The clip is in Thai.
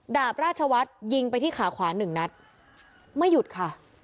ดาบราชวัฒน์ยิงไปที่ขาขวาหนึ่งนัดไม่หยุดค่ะ